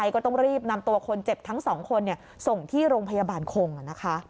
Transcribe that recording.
ก็ต้องรีบนำตัวคนเจ็บทั้งสองคนส่งที่โรงพยาบาลคงนะคะ